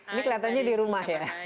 ini kelihatannya di rumah ya